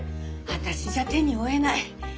私じゃ手に負えない。